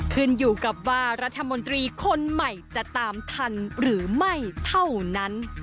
ขึ้นอยู่กับว่ารัฐมนตรีคนใหม่จะตามทันหรือไม่เท่านั้น